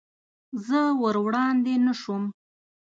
زه ور وړاندې نه شوم.